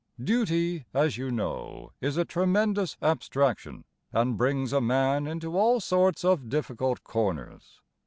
Duty, as you know, is a tremendous abstraction, And brings a man into all sorts of difficult corners.